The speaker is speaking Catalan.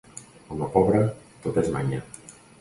Home pobre, tot és manya.